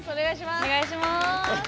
お願いします。